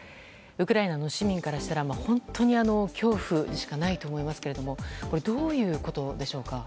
ウクライナの市民からしたら本当に恐怖でしかないと思いますがこれ、どういうことでしょうか。